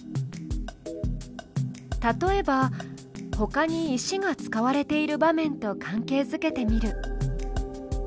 例えばほかに石が使われている場面と関係づけてみる。